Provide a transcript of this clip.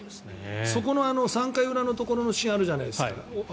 そこの３回裏のところのシーンがあるじゃないですか。